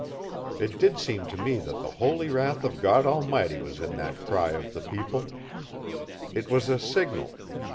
It did seem to me that the holy wrath of God Almighty was in that cry of the people. It was a signal.